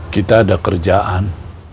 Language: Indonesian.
kita ada kerjaan